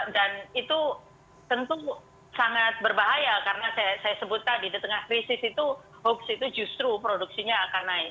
dan itu tentu sangat berbahaya karena saya sebut tadi di tengah krisis itu hoax itu justru produksinya akan naik